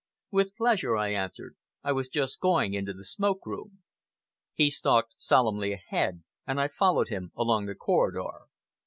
"With pleasure!" I answered. "I was just going into the smoke room." He stalked solemnly ahead, and I followed him along the corridor.